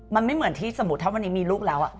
มันไม่เหมือนที่สมมุติถ้าวันนี้มีลูกแล้ว